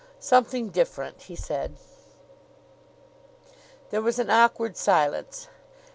"Something different," he said. There was an awkward silence.